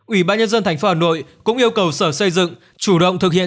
ủy ban nhân dân thành phố hà nội cũng yêu cầu sở xây dựng chủ động thực hiện